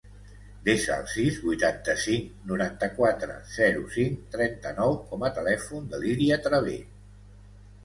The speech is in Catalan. Desa el sis, vuitanta-cinc, noranta-quatre, zero, cinc, trenta-nou com a telèfon de l'Iria Traver.